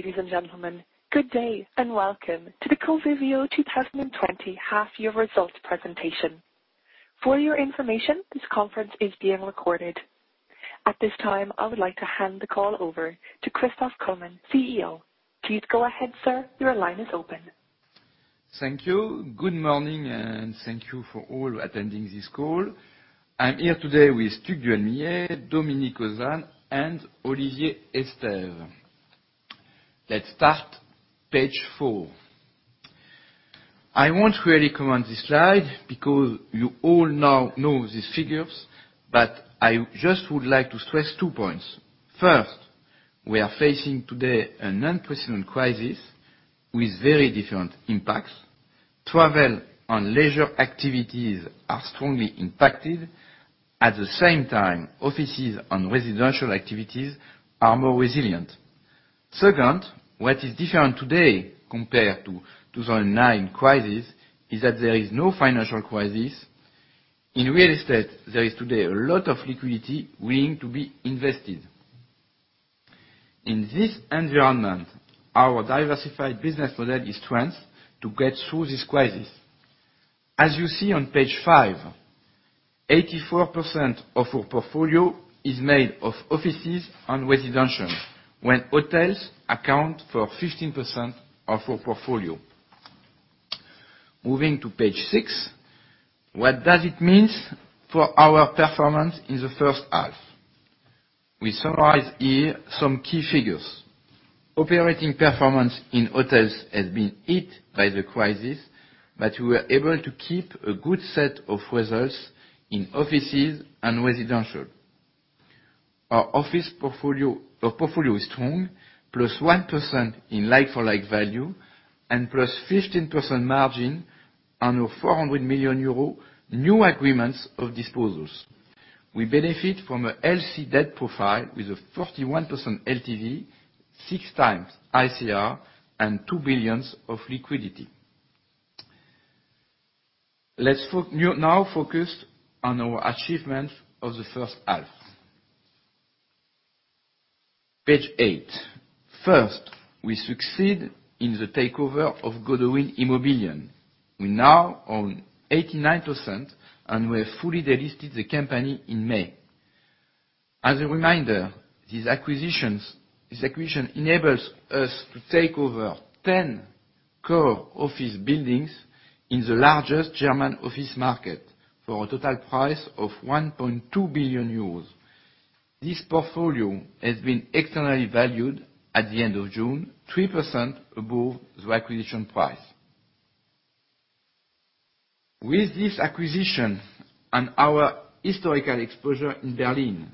Ladies and gentlemen, good day, and welcome to the Covivio 2020 half-year results presentation. For your information, this conference is being recorded. At this time, I would like to hand the call over to Christophe Kullmann, CEO. Please go ahead, sir. Your line is open. Thank you. Good morning. Thank you for all attending this call. I'm here today with Hugues du Halbaillac, Dominique Ozanne, and Olivier Estève. Let's start page four. I won't really comment this slide because you all now know these figures, but I just would like to stress two points. First, we are facing today an unprecedented crisis with very different impacts. Travel and leisure activities are strongly impacted. At the same time, offices and residential activities are more resilient. Second, what is different today compared to 2009 crisis is that there is no financial crisis. In real estate, there is today a lot of liquidity waiting to be invested. In this environment, our diversified business model is strength to get through this crisis. As you see on page five, 84% of our portfolio is made of offices and residential, when hotels account for 15% of our portfolio. Moving to page six, what does it mean for our performance in the first half? We summarize here some key figures. Operating performance in hotels has been hit by the crisis, but we were able to keep a good set of results in offices and residential. Our portfolio is strong, +1% in like-for-like value, +15% margin on our 400 million euro new agreements of disposals. We benefit from a healthy debt profile with a 41% LTV, six times ICR, and 2 billion of liquidity. Let's now focus on our achievements of the first half. Page eight. First, we succeed in the takeover of Godewind Immobilien. We now own 89%, and we have fully delisted the company in May. As a reminder, this acquisition enables us to take over 10 core office buildings in the largest German office market for a total price of 1.2 billion euros. This portfolio has been externally valued at the end of June, 3% above the acquisition price. With this acquisition and our historical exposure in Berlin,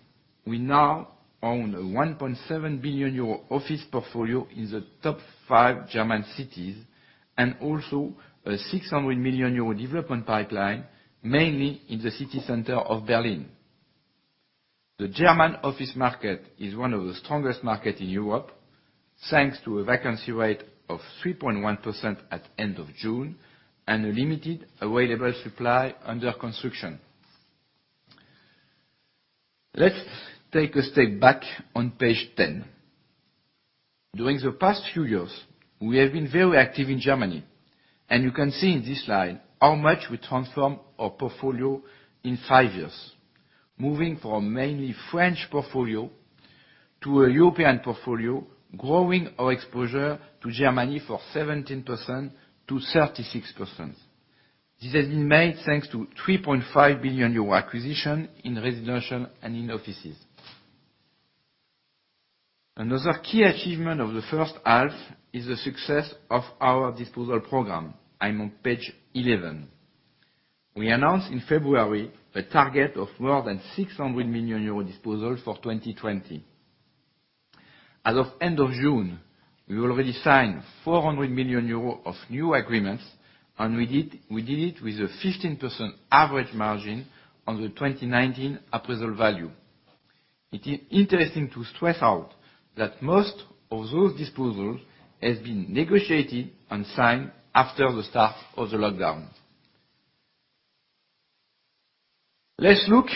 we now own a 1.7 billion euro office portfolio in the top five German cities, also a 600 million euro development pipeline, mainly in the city center of Berlin. The German office market is one of the strongest market in Europe, thanks to a vacancy rate of 3.1% at end of June and a limited available supply under construction. Let's take a step back on page 10. During the past few years, we have been very active in Germany. You can see in this slide how much we transformed our portfolio in five years. Moving from mainly French portfolio to a European portfolio, growing our exposure to Germany from 17% to 36%. This has been made thanks to 3.5 billion euro acquisition in residential and in offices. Another key achievement of the first half is the success of our disposal program. I'm on page 11. We announced in February a target of more than 600 million euro disposal for 2020. As of end of June, we already signed 400 million euros of new agreements, and we did it with a 15% average margin on the 2019 appraisal value. It is interesting to stress out that most of those disposals has been negotiated and signed after the start of the lockdown. Let's look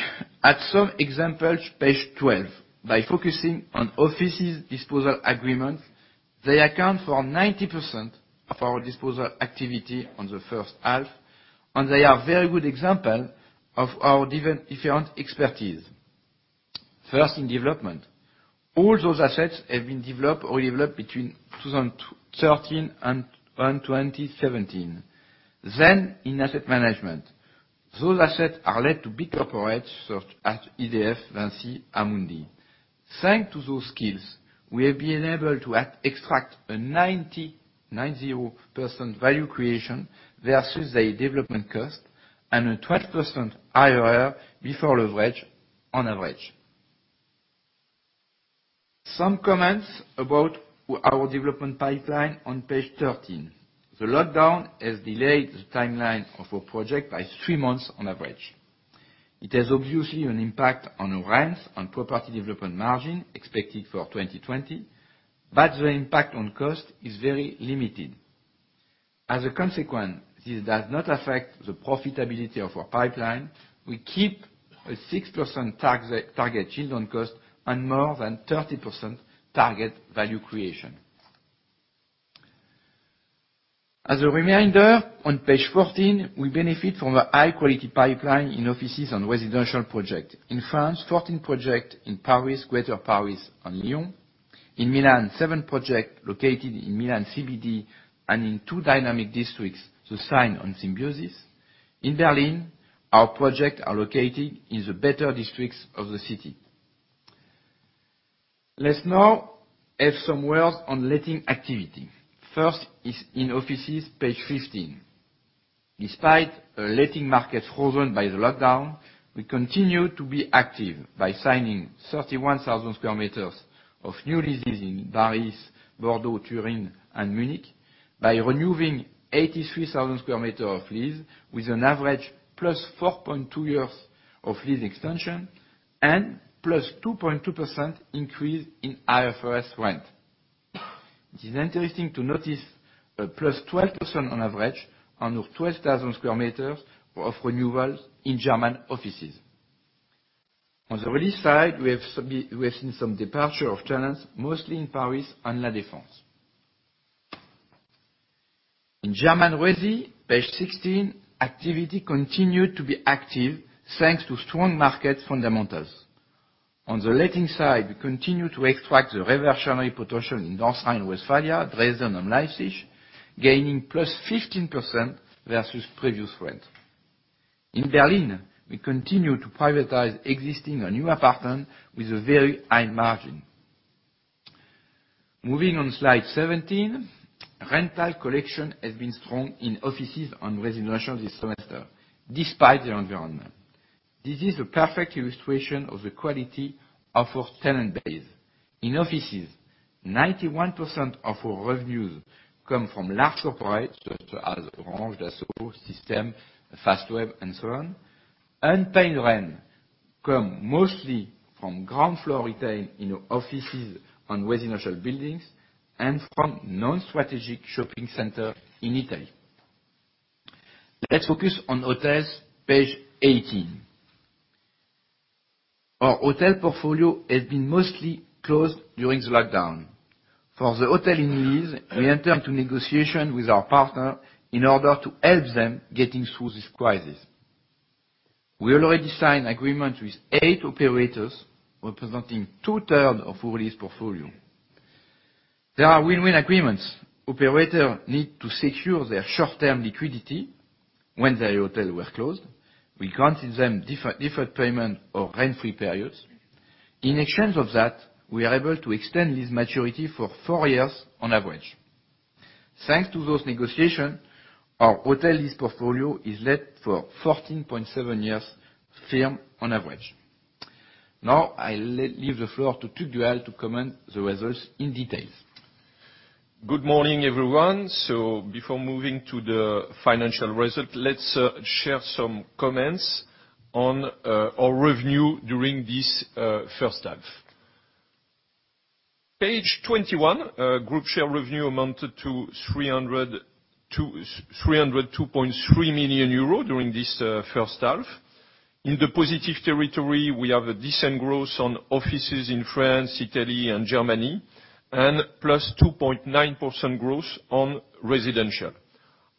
at some examples, page 12, by focusing on offices disposal agreements. They account for 90% of our disposal activity on the first half, and they are very good example of our different expertise. First, in development. All those assets have been developed or redeveloped between 2013 and 2017. In asset management. Those assets are let to big corporates such as EDF, Vinci, Amundi. Thanks to those skills, we have been able to extract a 90% value creation versus a development cost and a 12% IRR before leverage on average. Some comments about our development pipeline on page 13. The lockdown has delayed the timeline of our project by three months on average. It has obviously an impact on our rents and property development margin expected for 2020, but the impact on cost is very limited. As a consequence, this does not affect the profitability of our pipeline. We keep a 6% target yield on cost and more than 30% target value creation. As a reminder, on page 14, we benefit from a high-quality pipeline in offices on residential project. In France, 14 project in Paris, Greater Paris, and Lyon. In Milan, seven project located in Milan CBD and in two dynamic districts, Soshine and Symbiosis. In Berlin, our project are located in the better districts of the city. Let's now have some words on letting activity. First is in offices, page 15. Despite a letting market frozen by the lockdown, we continue to be active by signing 31,000 square meters of new leases in Paris, Bordeaux, Turin, and Munich, by renewing 83,000 square meter of lease, with an average plus 4.2 years of lease extension and plus 2.2% increase in IFRS rent. It is interesting to notice a plus 12% on average on our 12,000 square meters of renewals in German offices. On the release side, we have seen some departure of tenants, mostly in Paris and La Defense. In German resi, page 16, activity continued to be active, thanks to strong market fundamentals. On the letting side, we continue to extract the reversionary potential in North Rhine-Westphalia, Dresden, and Leipzig, gaining plus 15% versus previous rent. In Berlin, we continue to prioritize existing and new apartment with a very high margin. Moving on slide 17, rental collection has been strong in offices and residential this semester, despite the environment. This is a perfect illustration of the quality of our tenant base. In offices, 91% of our revenues come from large operators, such as Orange, Dassault Systèmes, Fastweb, and so on. Unpaid rent come mostly from ground floor retail in offices on residential buildings and from non-strategic shopping center in Italy. Let's focus on hotels, page 18. Our hotel portfolio has been mostly closed during the lockdown. For the hotel in lease, we enter into negotiation with our partner in order to help them getting through this crisis. We already signed agreement with 8 operators, representing two-third of our lease portfolio. There are win-win agreements. Operators need to secure their short-term liquidity when their hotels were closed. We granted them deferred payment or rent-free periods. In exchange of that, we are able to extend this maturity for 4 years on average. Thanks to those negotiation, our hotel lease portfolio is let for 14.7 years firm on average. Now, I leave the floor to Cédric Duval to comment the results in details. Good morning, everyone. Before moving to the financial result, let's share some comments on our revenue during this first half. Page 21, group share revenue amounted to 302.3 million euros during this first half. In the positive territory, we have a decent growth on offices in France, Italy, and Germany, and +2.9% growth on residential.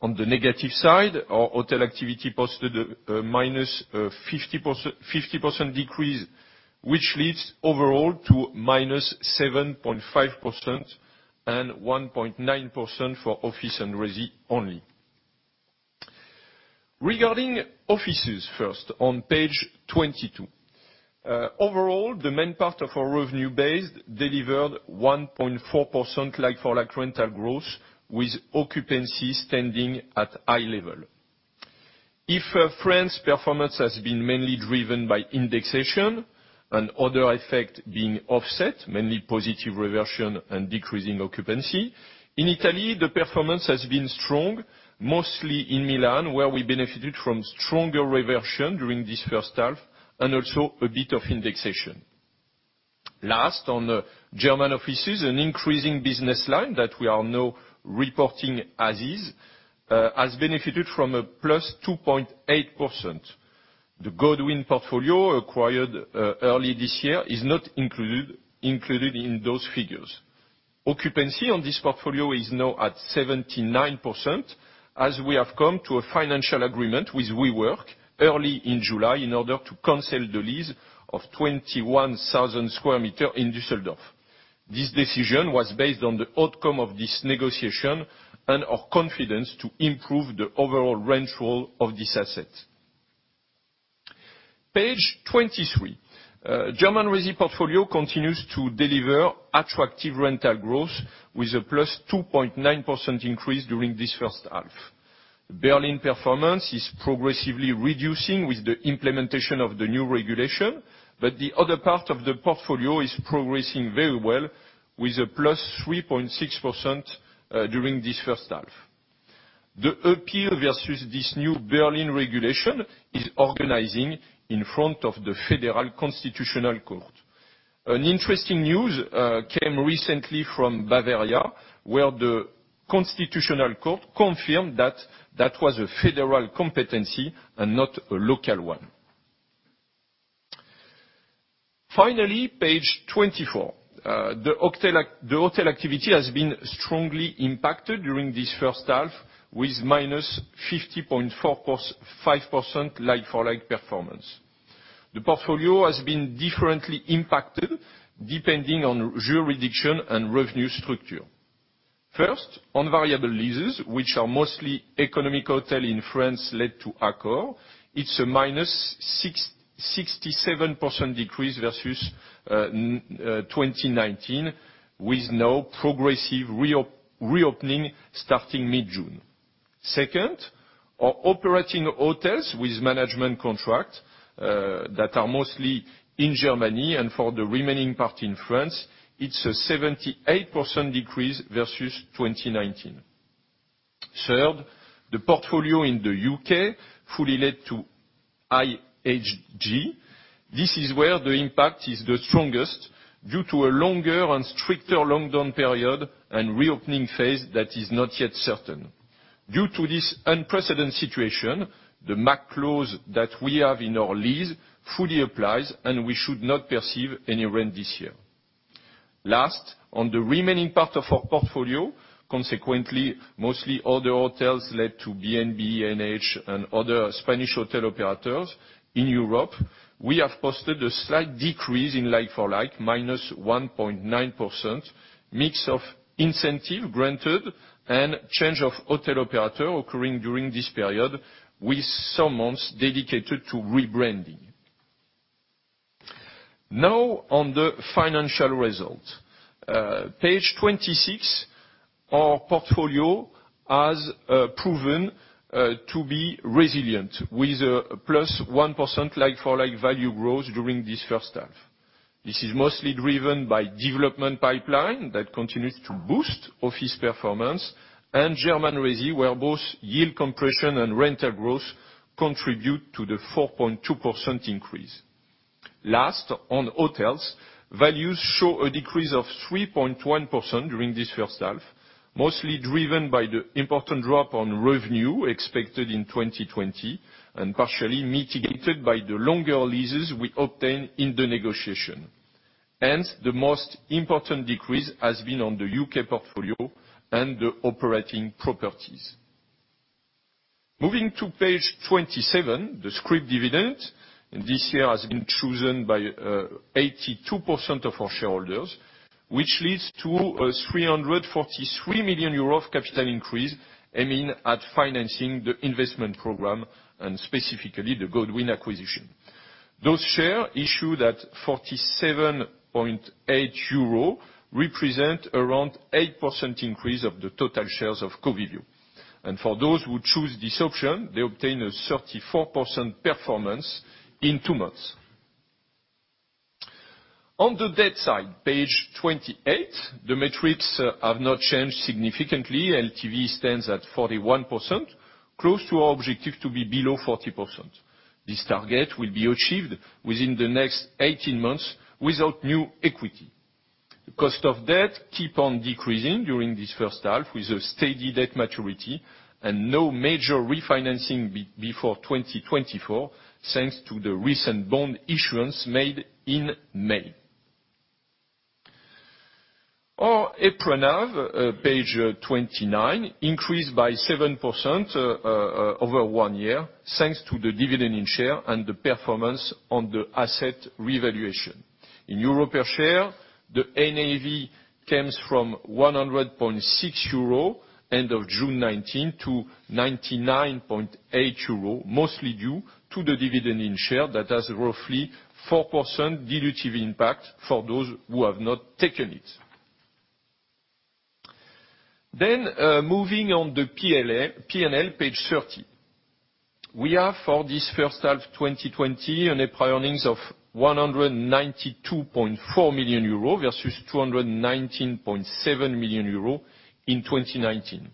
On the negative side, our hotel activity posted a -50% decrease, which leads overall to -7.5% and 1.9% for office and resi only. Regarding offices first, on page 22. Overall, the main part of our revenue base delivered 1.4% like-for-like rental growth, with occupancy standing at high level. If France performance has been mainly driven by indexation and other effect being offset, mainly positive reversion and decreasing occupancy, in Italy, the performance has been strong, mostly in Milan, where we benefited from stronger reversion during this first half and also a bit of indexation. Last, on German offices, an increasing business line that we are now reporting as is, has benefited from a +2.8%. The Godewind portfolio acquired early this year is not included in those figures. Occupancy on this portfolio is now at 79%, as we have come to a financial agreement with WeWork early in July in order to cancel the lease of 21,000 sq m in Düsseldorf. This decision was based on the outcome of this negotiation and our confidence to improve the overall rent roll of this asset. Page 23. German resi portfolio continues to deliver attractive rental growth with a +2.9% increase during this first half. Berlin performance is progressively reducing with the implementation of the new regulation, but the other part of the portfolio is progressing very well with a +3.6% during this first half. The appeal versus this new Berlin regulation is organizing in front of the Federal Constitutional Court. An interesting news came recently from Bavaria, where the Constitutional Court confirmed that that was a federal competency and not a local one. Finally, page 24. The hotel activity has been strongly impacted during this first half, with -50.5% like-for-like performance. The portfolio has been differently impacted depending on jurisdiction and revenue structure. First, on variable leases, which are mostly economic hotels in France, let to Accor. It's a -67% decrease versus 2019, with now progressive reopening starting mid-June. Our operating hotels with management contract, that are mostly in Germany and for the remaining part in France, it's a 78% decrease versus 2019. The portfolio in the U.K. fully let to IHG. This is where the impact is the strongest due to a longer and stricter lockdown period and reopening phase that is not yet certain. Due to this unprecedented situation, the MAC clause that we have in our lease fully applies, and we should not perceive any rent this year. On the remaining part of our portfolio, consequently, mostly all the hotels let to B&B, NH, and other Spanish hotel operators in Europe, we have posted a slight decrease in like-for-like, -1.9%, mix of incentive granted and change of hotel operator occurring during this period, with some months dedicated to rebranding. On the financial result. Page 26. Our portfolio has proven to be resilient, with a +1% like-for-like value growth during this first half. This is mostly driven by development pipeline that continues to boost office performance and German resi, where both yield compression and rental growth contribute to the 4.2% increase. On hotels, values show a decrease of 3.4% during this first half, mostly driven by the important drop on revenue expected in 2020 and partially mitigated by the longer leases we obtained in the negotiation. Hence, the most important decrease has been on the U.K. portfolio and the operating properties. Moving to page 27, the scrip dividend this year has been chosen by 82% of our shareholders, which leads to a 343 million euro of capital increase aiming at financing the investment program, and specifically the Godewind acquisition. Those share issued at 47.8 euro represent around 8% increase of the total shares of Covivio. For those who choose this option, they obtain a 34% performance in two months. On the debt side, page 28, the metrics have not changed significantly. LTV stands at 41%, close to our objective to be below 40%. This target will be achieved within the next 18 months without new equity. The cost of debt keep on decreasing during this first half, with a steady debt maturity and no major refinancing before 2024, thanks to the recent bond issuance made in May. Our EPRA NAV, page 29, increased by 7% over one year, thanks to the dividend in share and the performance on the asset revaluation. In EUR per share, the NAV comes from 100.6 euro end of June 2019 to 99.8 euro, mostly due to the dividend in share that has roughly 4% dilutive impact for those who have not taken it. Moving on the P&L, page 30. We have, for this first half 2020, an EPRA earnings of 192.4 million euros, versus 219.7 million euros in 2019.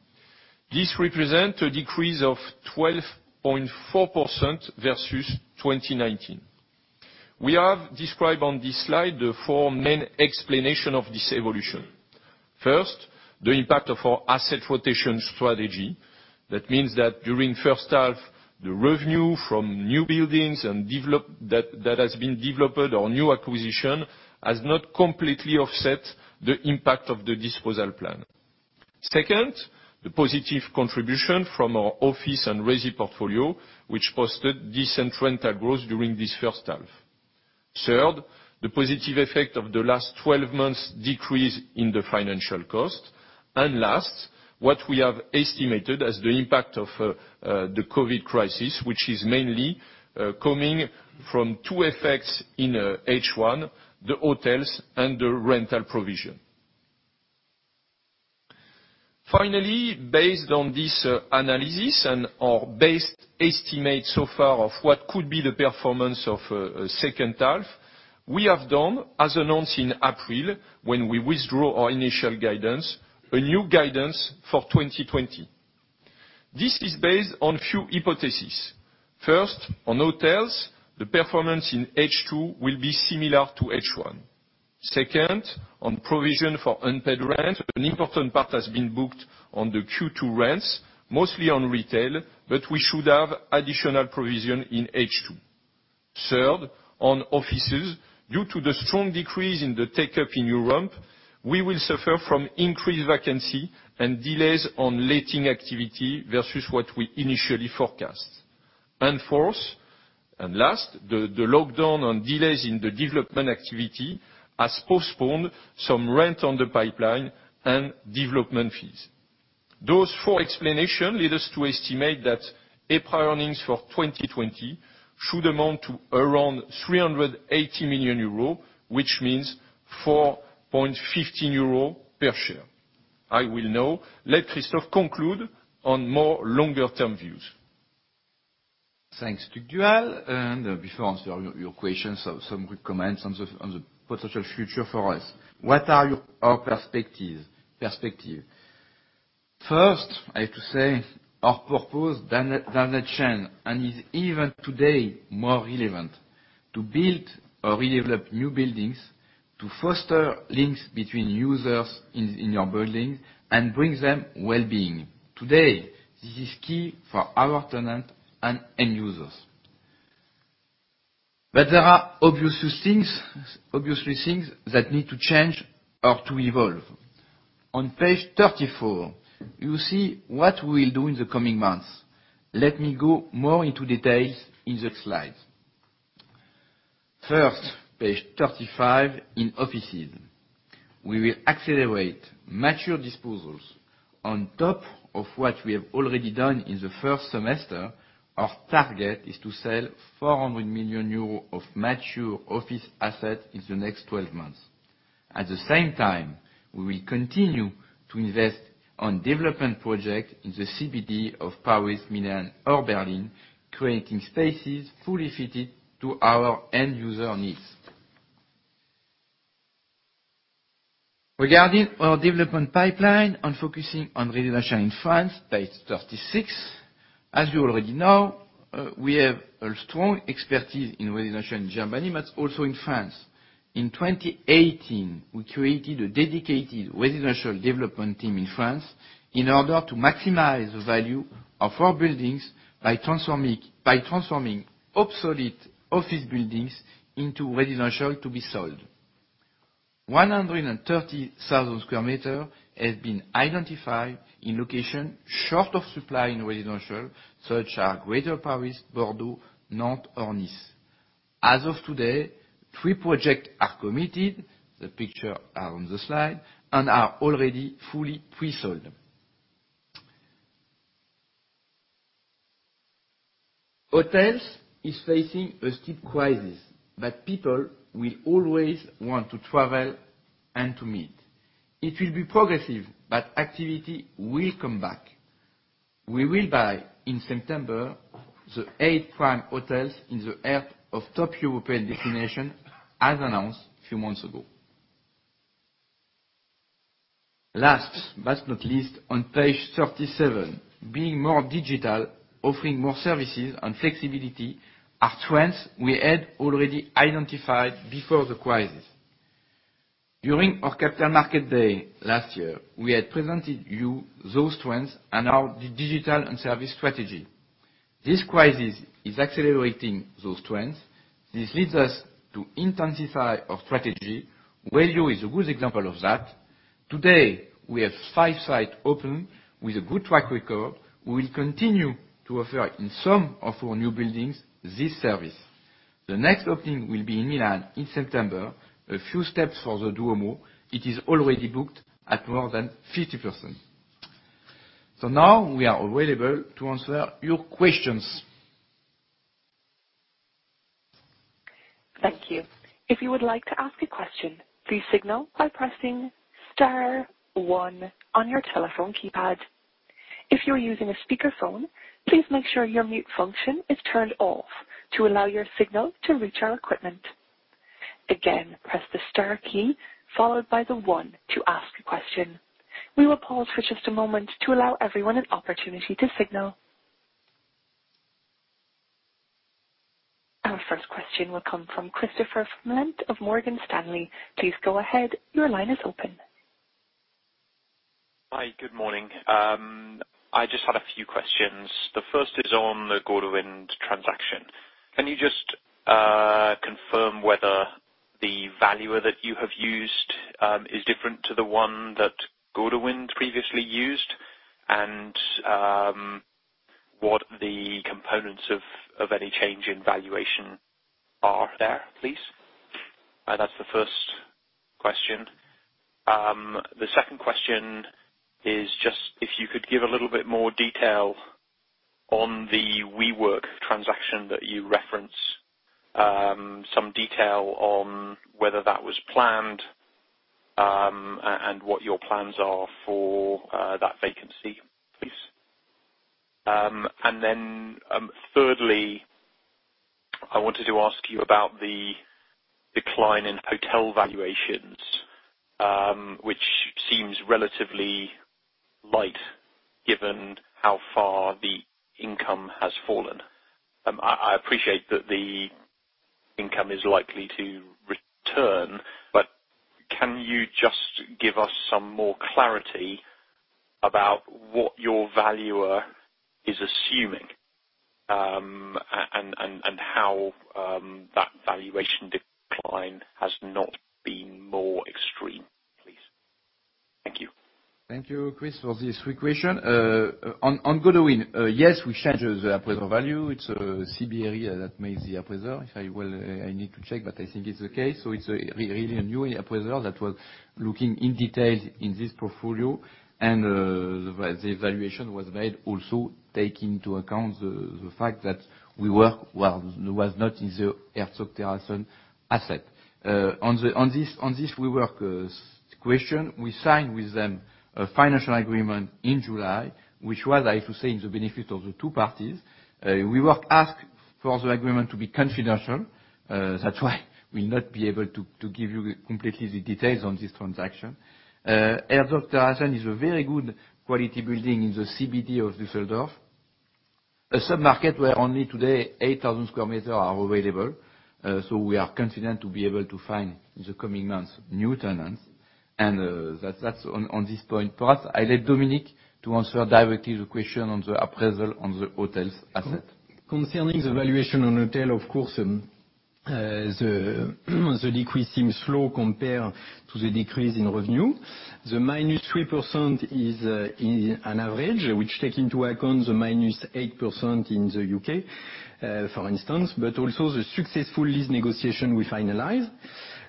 This represent a decrease of 12.4% versus 2019. We have described on this slide the four main explanation of this evolution. The impact of our asset rotation strategy. That means that during first half, the revenue from new buildings that has been developed or new acquisition has not completely offset the impact of the disposal plan. The positive contribution from our office and resi portfolio, which posted decent rental growth during this first half. The positive effect of the last 12 months decrease in the financial cost. Last, what we have estimated as the impact of the COVID crisis, which is mainly coming from two effects in H1, the hotels and the rental provision. Based on this analysis and our best estimate so far of what could be the performance of a second half, we have done, as announced in April, when we withdraw our initial guidance, a new guidance for 2020. This is based on few hypothesis. First, on hotels, the performance in H2 will be similar to H1. Second, on provision for unpaid rent, an important part has been booked on the Q2 rents, mostly on retail, but we should have additional provision in H2. Third, on offices, due to the strong decrease in the take-up in Europe, we will suffer from increased vacancy and delays on letting activity versus what we initially forecast. Fourth, and last, the lockdown on delays in the development activity has postponed some rent on the pipeline and development fees. Those four explanation lead us to estimate that EPRA earnings for 2020 should amount to around 380 million euro, which means 4.15 euro per share. I will now let Christophe conclude on more longer term views. Thanks to Duval. Before I answer your questions, some good comments on the potential future for us. What are our perspective? First, I have to say, our purpose doesn't change and is even today more relevant, to build or redevelop new buildings, to foster links between users in your building and bring them wellbeing. Today, this is key for our tenant and end users. There are obviously things that need to change or to evolve. On page 34, you see what we will do in the coming months. Let me go more into details in the slides. First, page 35, in offices. We will accelerate mature disposals on top of what we have already done in the first semester. Our target is to sell 400 million euros of mature office asset in the next 12 months. At the same time, we will continue to invest on development project in the CBD of Paris, Milan, or Berlin, creating spaces fully fitted to our end-user needs. Regarding our development pipeline and focusing on residential in France, page 36. As you already know, we have a strong expertise in residential in Germany, but also in France. In 2018, we created a dedicated residential development team in France in order to maximize the value of our buildings by transforming obsolete office buildings into residential to be sold. 130,000 sq m has been identified in location short of supply in residential, such as Greater Paris, Bordeaux, Nantes, or Nice. As of today, three projects are committed, the picture are on the slide, and are already fully pre-sold. Hotels is facing a steep crisis that people will always want to travel and to meet. It will be progressive, but activity will come back. We will buy in September the 8 prime hotels in the heart of top European destination as announced few months ago. Last, but not least, on page 37, being more digital, offering more services and flexibility are trends we had already identified before the crisis. During our capital market day last year, we had presented you those trends and our digital and service strategy. This crisis is accelerating those trends. This leads us to intensify our strategy. Wellio is a good example of that. Today, we have 5 sites open with a good track record. We will continue to offer in some of our new buildings this service. The next opening will be in Milan in September, a few steps for the Duomo. It is already booked at more than 50%. Now we are available to answer your questions. Thank you. If you would like to ask a question, please signal by pressing star one on your telephone keypad. If you're using a speakerphone, please make sure your mute function is turned off to allow your signal to reach our equipment. Again, press the star key followed by the one to ask a question. We will pause for just a moment to allow everyone an opportunity to signal. Our first question will come from Christopher Ferrantino of Morgan Stanley. Please go ahead. Your line is open. Hi. Good morning. I just had a few questions. The first is on the Godewind transaction. Can you just confirm whether the valuer that you have used is different to the one that Godewind previously used, and what the components of any change in valuation are there, please? That's the first question. The second question is just if you could give a little bit more detail on the WeWork transaction that you reference, some detail on whether that was planned, and what your plans are for that vacancy, please. Thirdly, I wanted to ask you about the decline in hotel valuations, which seems relatively light given how far the income has fallen. I appreciate that the income is likely to return, but can you just give us some more clarity about what your valuer is assuming, and how that valuation decline has not been more extreme, please? Thank you. Thank you, Chris, for these three questions. On Godewind, yes, we changed the appraisal value. It's a CBRE that made the appraisal. I need to check, but I think it's the case. It's really a new appraiser that was looking in detail in this portfolio, and the valuation was made, also taking into account the fact that was not in the Herzog Terrassen asset. On this WeWork question, we signed with them a financial agreement in July, which was, I have to say, in the benefit of the two parties. WeWork asked for the agreement to be confidential, that's why we will not be able to give you completely the details on this transaction. Herzog Terrassen is a very good quality building in the CBD of Düsseldorf. A sub-market where only today 8,000 square meters are available. We are confident to be able to find, in the coming months, new tenants. That's on this point. For us, I let Dominique to answer directly the question on the appraisal on the hotels asset. Concerning the valuation on hotel, of course, the decrease seems slow compared to the decrease in revenue. The -3% is an average, which take into account the -8% in the U.K., for instance, but also the successful lease negotiation we finalized.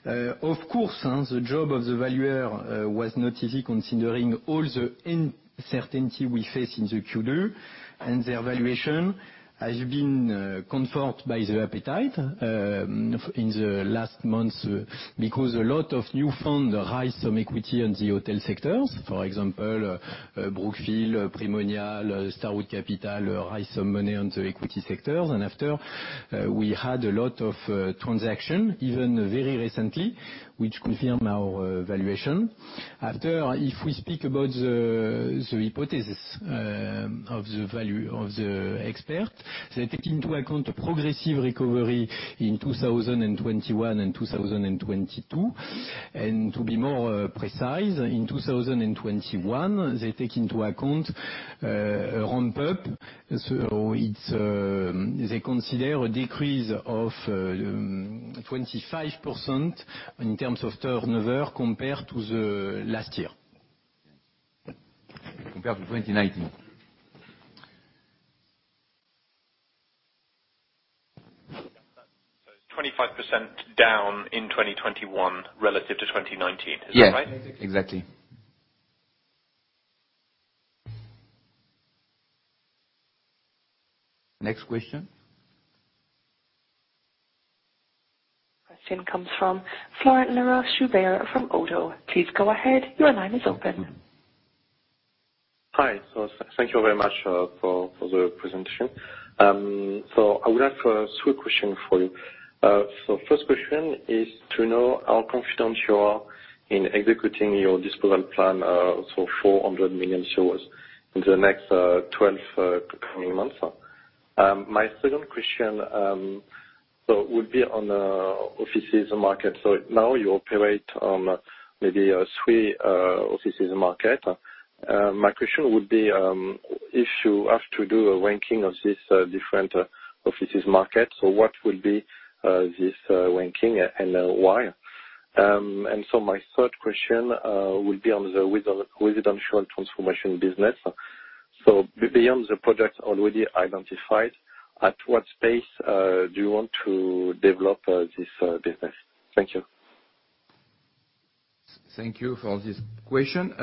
Of course, the job of the valuer was not easy considering all the uncertainty we face in the Q2, and their valuation has been confirmed by the appetite in the last months because a lot of new funds raised some equity in the hotel sectors. For example, Brookfield, Primonial, Starwood Capital, raise some money on the equity sectors. After, we had a lot of transaction, even very recently, which confirmed our valuation. After, if we speak about the hypothesis of the expert, they take into account a progressive recovery in 2021 and 2022. To be more precise, in 2021, they take into account a round up. They consider a decrease of 25% in terms of turnover compared to the last year. Compared to 2019. It's 25% down in 2021 relative to 2019. Is that right? Yes, exactly. Next question. Question comes from Florent Laroche-Joubert from Oddo. Please go ahead, your line is open. Hi, thank you very much for the presentation. I would have a three question for you. First question is to know how confident you are in executing your disposal plan for 400 million euros in the next 12 coming months. My second question would be on offices market. Now you operate on maybe three offices market. My question would be, if you have to do a ranking of these different offices market, what will be this ranking and why? My third question will be on the residential transformation business. Beyond the projects already identified, at what pace do you want to develop this business? Thank you. Thank you for this question.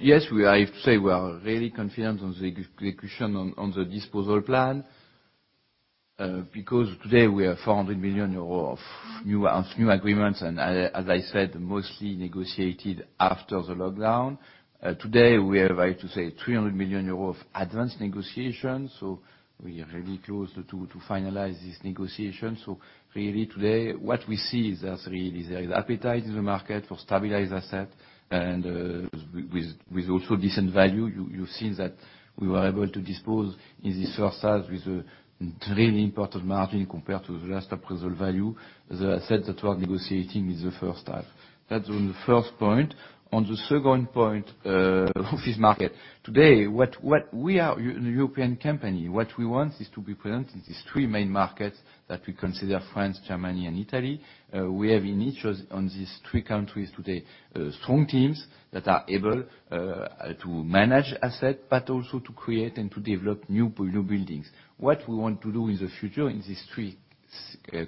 Yes, I have to say, we are really confident on the execution on the disposal plan, because today we have 400 million euros of new agreements, and as I said, mostly negotiated after the lockdown. Today, we are ready to say 300 million euros of advanced negotiations, we are really close to finalize this negotiation. Really today, what we see is there is appetite in the market for stabilized asset and with also decent value. You've seen that we were able to dispose in this first half with a really important margin compared to the last appraisal value. The assets that we're negotiating is the first half. That's on the first point. On the second point, office market. Today, we are a European company. What we want is to be present in these three main markets that we consider France, Germany and Italy. We have in each, on these three countries today, strong teams that are able to manage asset, but also to create and to develop new buildings. What we want to do in the future in these three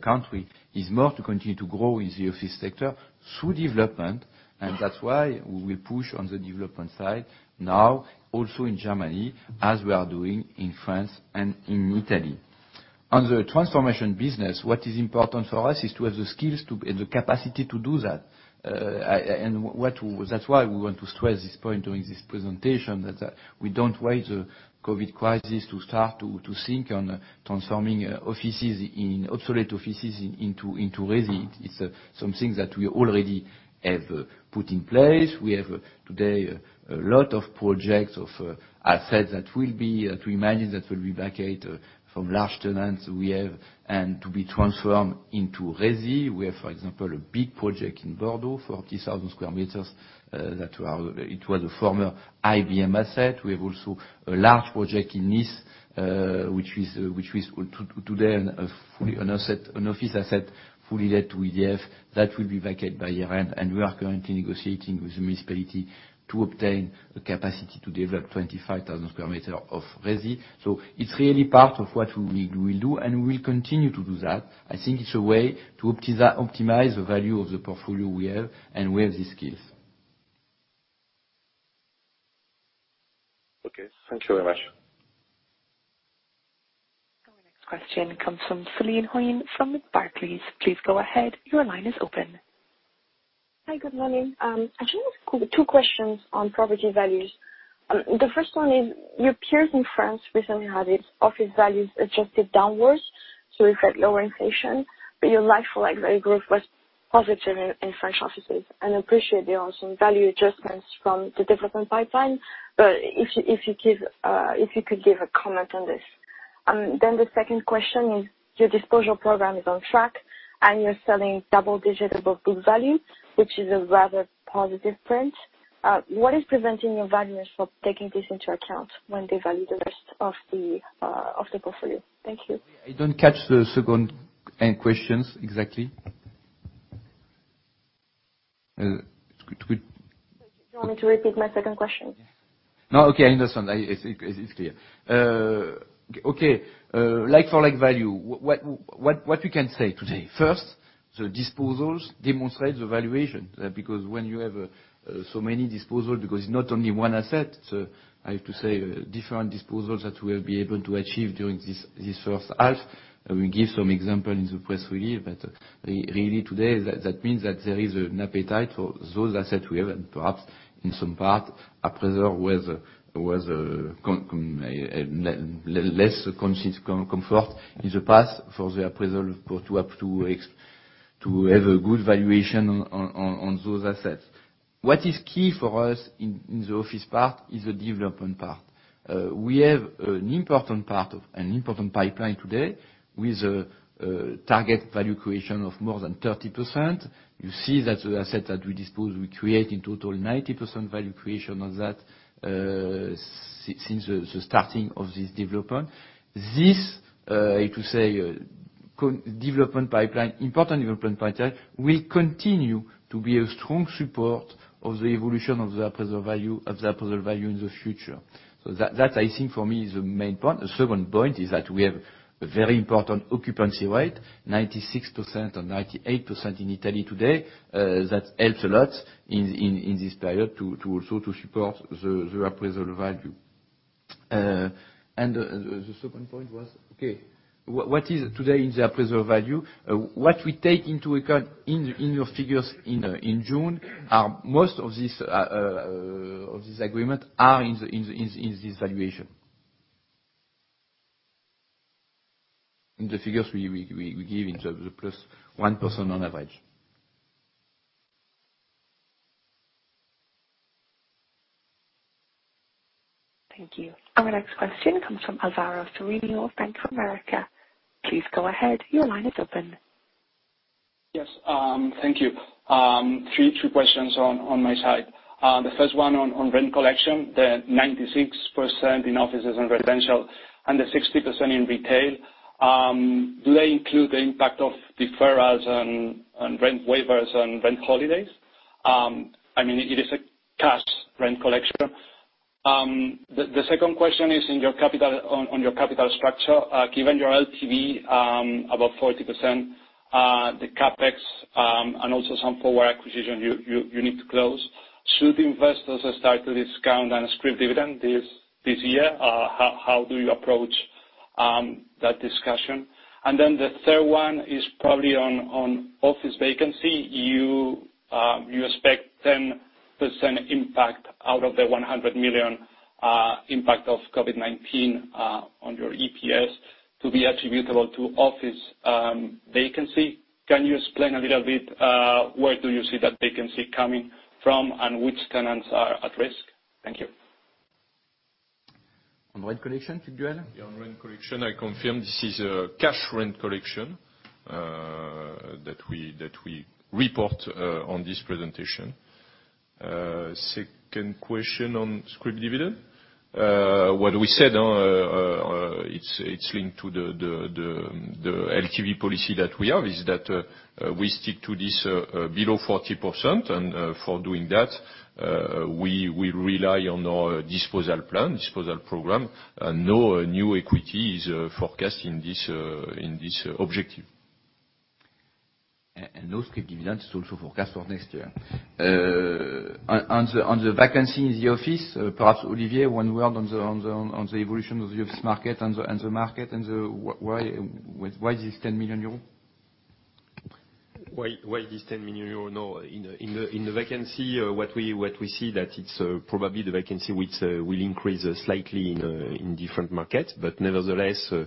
country is more to continue to grow in the office sector through development, and that's why we push on the development side now, also in Germany, as we are doing in France and in Italy. On the transformation business, what is important for us is to have the skills and the capacity to do that. That's why we want to stress this point during this presentation, that we don't wait the COVID crisis to start to think on transforming obsolete offices into resi. It's something that we already have put in place. We have, today, a lot of projects, of assets that we manage that will be vacated from large tenants we have, and to be transformed into resi. We have, for example, a big project in Bordeaux, 40,000 sq m. It was a former IBM asset. We have also a large project in Nice, which is, today, an office asset fully let to EDF that will be vacated by year-end, and we are currently negotiating with the municipality to obtain the capacity to develop 25,000 sq m of resi. It's really part of what we will do, and we will continue to do that. I think it's a way to optimize the value of the portfolio we have, and we have the skills. Okay. Thank you very much. Our next question comes from Celine Houin from Barclays. Please go ahead. Your line is open. Hi, good morning. I just have two questions on property values. The first one is, your peers in France recently had its office values adjusted downwards, we've got lower inflation, but your like-for-like value growth was positive in French offices. Appreciate there are some value adjustments from the development pipeline, but if you could give a comment on this. The second question is, your disposal program is on track, and you're selling double digit above book value, which is a rather positive print. What is preventing your valuers from taking this into account when they value the rest of the portfolio? Thank you. I don't catch the second questions exactly. Do you want me to repeat my second question? No. Okay, I understand. It's clear. Okay. Like-for-like value, what we can say today, first, the disposals demonstrate the valuation, because when you have so many disposals, because it's not only one asset, I have to say, different disposals that we'll be able to achieve during this first half, and we give some example in the press release. Really today, that means that there is an appetite for those assets we have, and perhaps in some part, appraiser with less comfort in the past for the appraisal to have a good valuation on those assets. What is key for us in the office part is the development part. We have an important pipeline today, with a target value creation of more than 30%. You see that the asset that we dispose, we create in total 90% value creation of that since the starting of this development. This, how to say, important development pipeline will continue to be a strong support of the evolution of the appraisal value in the future. That, I think, for me, is the main point. The second point is that we have a very important occupancy rate, 96% and 98% in Italy today. That helps a lot in this period to also support the appraisal value. The second point was, okay, what is today the appraisal value? What we take into account in your figures in June, most of this agreement are in this valuation. In the figures we give, it's plus 1% on average. Thank you. Our next question comes from Alvaro Cerrillo of Bank of America. Please go ahead. Your line is open. Yes. Thank you. Three questions on my side. The first one on rent collection, the 96% in offices and residential, and the 60% in retail, do they include the impact of deferrals and rent waivers and rent holidays? I mean, it is a cash rent collection. The second question is on your capital structure. Given your LTV, about 40%, the CapEx, and also some forward acquisition you need to close, should investors start to discount a scrip dividend this year? How do you approach that discussion? The third one is probably on office vacancy. You expect 10% impact out of the 100 million impact of COVID-19 on your EPS to be attributable to office vacancy. Can you explain a little bit, where do you see that vacancy coming from and which tenants are at risk? Thank you. On rent collection, Philippe Boyer? Yeah, on rent collection, I confirm this is a cash rent collection that we report on this presentation. Second question on scrip dividend. What we said, it is linked to the LTV policy that we have, is that we stick to this below 40%. For doing that, we will rely on our disposal program. No new equity is forecast in this objective. No scrip dividend is also forecast for next year. On the vacancy in the office, perhaps Olivier, one word on the evolution of the office market, and why is this 10 million euro? Why is this 10 million euro? In the vacancy, what we see that it's probably the vacancy which will increase slightly in different markets, but nevertheless, we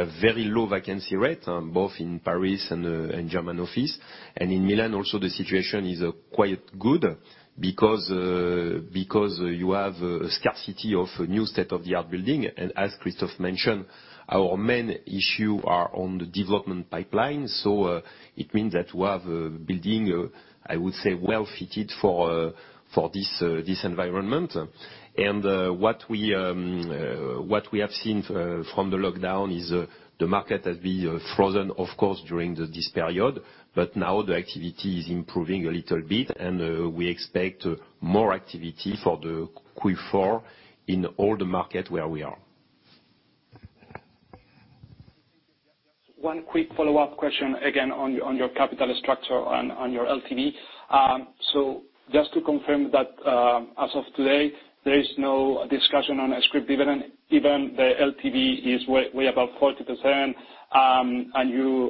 have very low vacancy rate, both in Paris and German office. In Milan also, the situation is quite good because you have a scarcity of new state-of-the-art building. As Christophe mentioned, our main issue are on the development pipeline. It means that we have a building, I would say, well-fitted for this environment. What we have seen from the lockdown is the market has been frozen, of course, during this period. Now the activity is improving a little bit, and we expect more activity for the Q4 in all the market where we are. One quick follow-up question, again, on your capital structure and on your LTV. Just to confirm that, as of today, there is no discussion on a scrip dividend. Given the LTV is way above 40%, you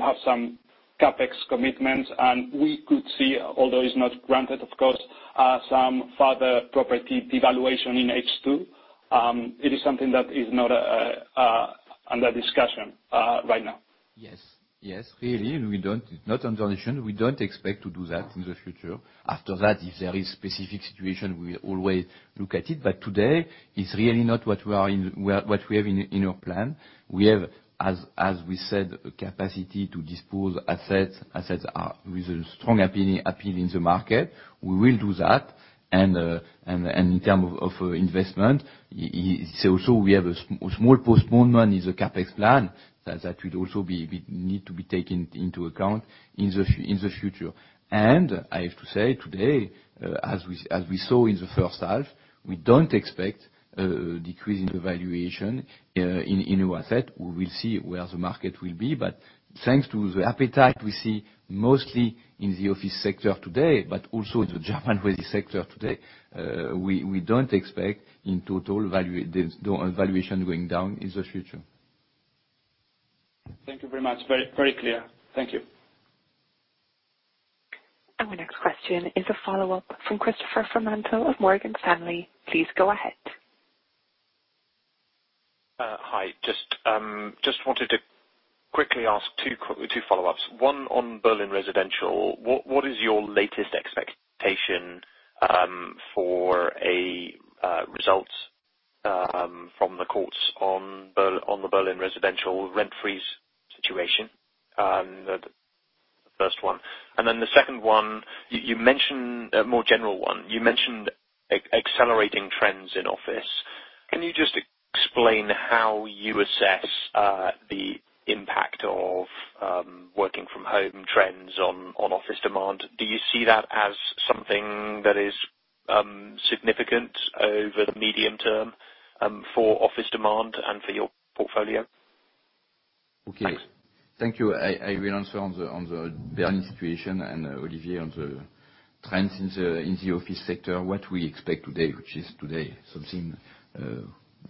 have some CapEx commitments, we could see, although is not granted, of course, some further property devaluation in H2. It is something that is not under discussion right now? Yes. Really, it's not under discussion. We don't expect to do that in the future. After that, if there is specific situation, we will always look at it. Today is really not what we have in our plan. We have, as we said, a capacity to dispose assets with a strong appeal in the market. We will do that. In term of investment, we have a small postponement in the CapEx plan. That will also need to be taken into account in the future. I have to say, today, as we saw in the first half, we don't expect a decrease in the valuation in our asset. We will see where the market will be. thanks to the appetite we see mostly in the office sector today, but also in the German resi sector today, we don't expect, in total, the valuation going down in the future. Thank you very much. Very clear. Thank you. Our next question is a follow-up from Christopher Ferrantino of Morgan Stanley. Please go ahead. Hi. Just wanted to quickly ask two follow-ups. One on Berlin residential. What is your latest expectation for a result from the courts on the Berlin residential rent freeze situation? The first one. Then the second one, a more general one. You mentioned accelerating trends in office. Can you just explain how you assess the impact of working from home trends on office demand? Do you see that as something that is significant over the medium term for office demand and for your portfolio? Okay. Thank you. I will answer on the Berlin situation, and Olivier on the trends in the office sector. What we expect today, which is today, something,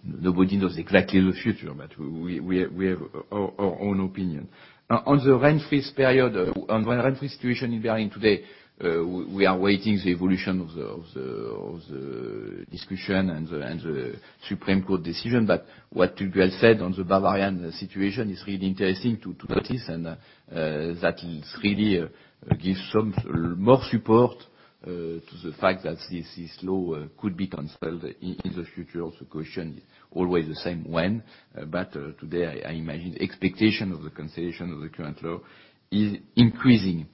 nobody knows exactly the future, but we have our own opinion. On the rent-free situation in Berlin today, we are waiting the evolution of the discussion and the Supreme Court decision, but what Tugdual said on the Bavarian situation is really interesting to notice, and that it really gives some more support to the fact that this law could be canceled in the future. The question always the same, when? Today, I imagine expectation of the cancellation of the current law is increasing.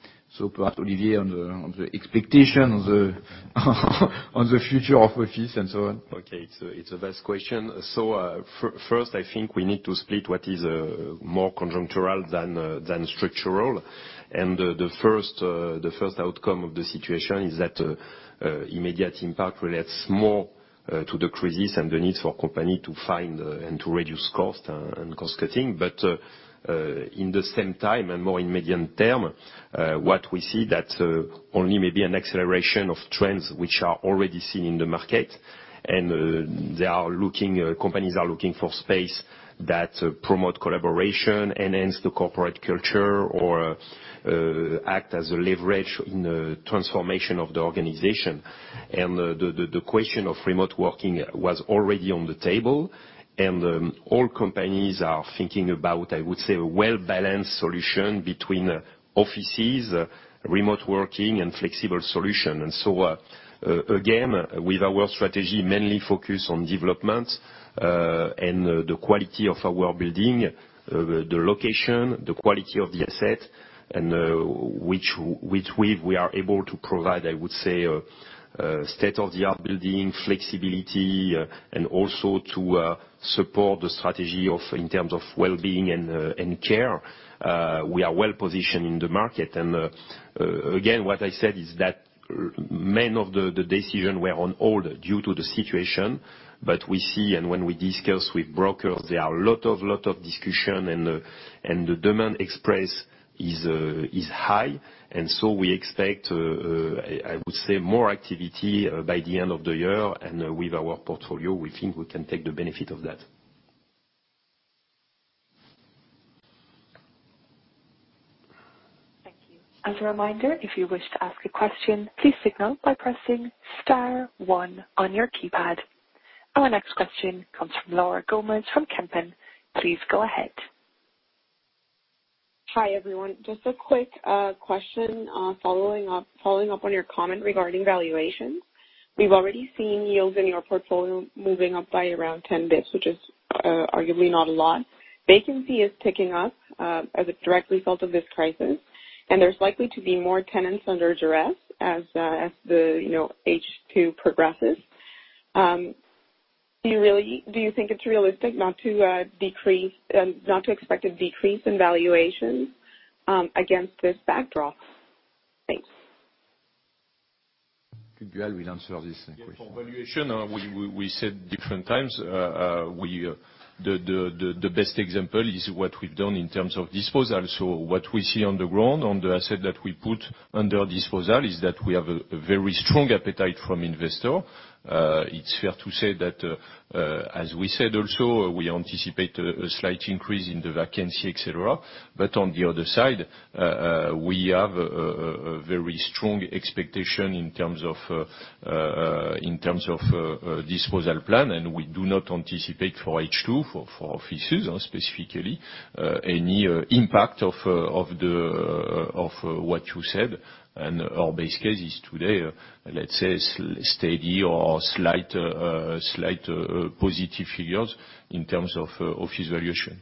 Perhaps Olivier on the expectation on the future of office and so on. Okay. It's a vast question. First, I think we need to split what is more conjunctural than structural. The first outcome of the situation is that immediate impact relates more to the crisis and the need for company to find and to reduce cost and cost-cutting. In the same time, more in medium-term, what we see that only may be an acceleration of trends which are already seen in the market. Companies are looking for space that promote collaboration, enhance the corporate culture, or act as a leverage in the transformation of the organization. The question of remote working was already on the table, and all companies are thinking about, I would say, a well-balanced solution between offices, remote working, and flexible solution. Again, with our strategy mainly focused on development and the quality of our building, the location, the quality of the asset, and which we are able to provide, I would say, state-of-the-art building, flexibility, and also to support the strategy in terms of well-being and care. We are well-positioned in the market. Again, what I said is that many of the decision were on hold due to the situation. We see, when we discuss with brokers, there are lot of discussion and the demand express is high. We expect, I would say, more activity by the end of the year. With our portfolio, we think we can take the benefit of that. As a reminder, if you wish to ask a question, please signal by pressing star one on your keypad. Our next question comes from Laura Gomez from Kempen. Please go ahead. Hi, everyone. Just a quick question following up on your comment regarding valuations. We've already seen yields in your portfolio moving up by around 10 bps, which is arguably not a lot. Vacancy is ticking up as a direct result of this crisis, and there's likely to be more tenants under duress as the H2 progresses. Do you think it's realistic not to expect a decrease in valuations against this backdrop? Thanks. Tugdual will answer this question. For valuation, we said different times, the best example is what we've done in terms of disposal. What we see on the ground, on the asset that we put under disposal, is that we have a very strong appetite from investor. It's fair to say that, as we said also, we anticipate a slight increase in the vacancy, et cetera. On the other side, we have a very strong expectation in terms of disposal plan, and we do not anticipate for H2, for offices specifically, any impact of what you said. Our base case is today, let's say, steady or slight positive figures in terms of office valuation.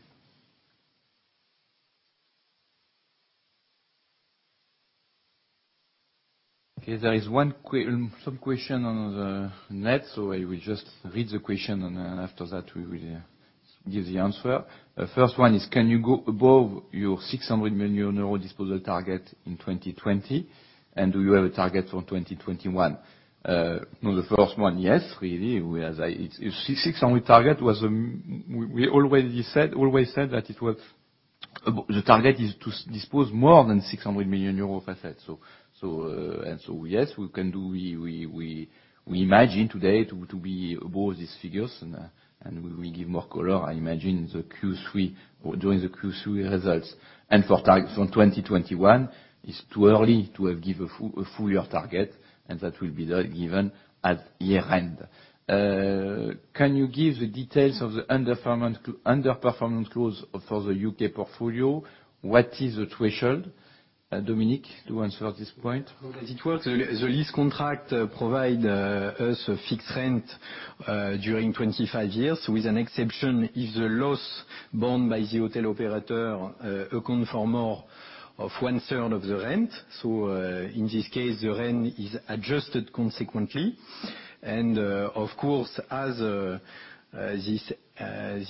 Okay, there is some question on the net, so I will just read the question and then after that we will give the answer. First one is, can you go above your 600 million euro disposal target in 2020? Do you have a target for 2021? No, the first one, yes, really. 600 target, we always said that the target is to dispose more than 600 million euros of assets. Yes, we imagine today to be above these figures, and we give more color, I imagine, during the Q3 results. For target on 2021, it's too early to give a full year target, and that will be given at year-end. Can you give the details of the underperformance clause for the U.K. portfolio? What is the threshold? Dominique to answer this point. As it works, the lease contract provides us a fixed rent during 25 years, with an exception if the loss borne by the hotel operator account for more of one-third of the rent. In this case, the rent is adjusted consequently. Of course, as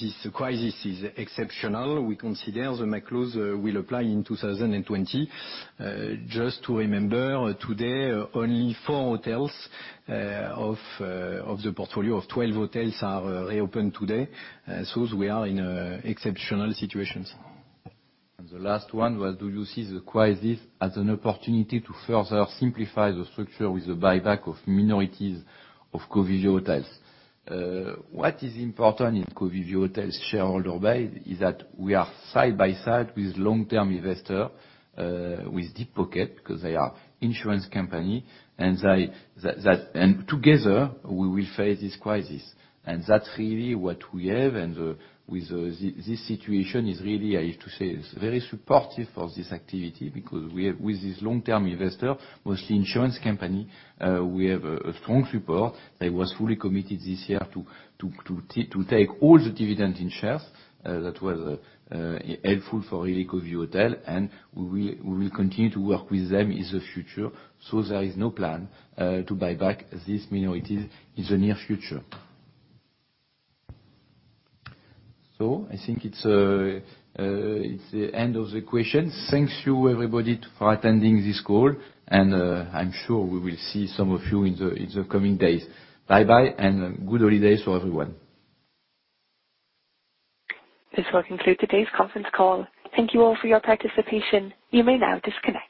this crisis is exceptional, we consider the MAC clause will apply in 2020. Just to remember, today, only four hotels of the portfolio of 12 hotels are reopened today. We are in exceptional situations. The last one was, do you see the crisis as an opportunity to further simplify the structure with the buyback of minorities of Covivio Hotels? What is important in Covivio Hotels shareholder base is that we are side by side with long-term investors, with deep pockets, because they are insurance companies, and together we will face this crisis. That's really what we have. With this situation is really, I have to say, very supportive of this activity because with this long-term investors, mostly insurance companies, we have a strong support that was fully committed this year to take all the dividend in shares. That was helpful for really Covivio Hotels, and we will continue to work with them in the future. There is no plan to buy back these minorities in the near future. I think it's the end of the question. Thank you, everybody, for attending this call, I'm sure we will see some of you in the coming days. Bye-bye, good holidays for everyone. This will conclude today's conference call. Thank you all for your participation. You may now disconnect.